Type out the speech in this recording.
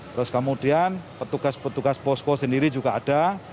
terus kemudian petugas petugas pos pos sendiri juga ada